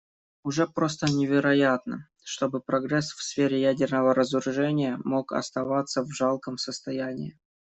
Уже просто невероятно, чтобы прогресс в сфере ядерного разоружения мог оставаться в жалком состоянии.